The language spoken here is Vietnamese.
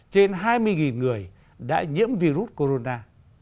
trên hai mươi người đã nhiễm virus corona